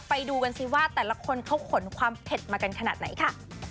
ไปดูกันสิว่าแต่ละคนเขาขนความเผ็ดมากันขนาดไหนค่ะ